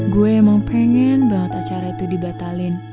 gue emang pengen banget acara itu dibatalin